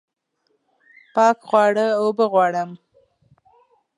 پاک خواړه اوبه غواړم